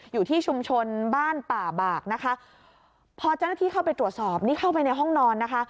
อยู่ที่ชุมชนบ้านป่าบากนะคะพอเจ้าหน้าที่เข้าไปตรวจสอบนี่เข้าไปในห้องนอนนะคะ